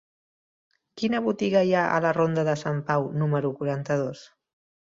Quina botiga hi ha a la ronda de Sant Pau número quaranta-dos?